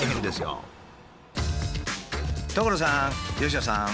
所さん佳乃さん。